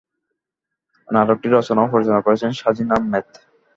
নাটকটি রচনা ও পরিচালনা করেছেন সাজিন আহমেদ।